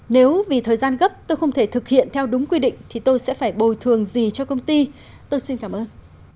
nếu vì thời gian gấp tôi không thể thực hiện theo đúng quy định thì tôi sẽ phải bồi thường gì cho công ty tôi xin cảm ơn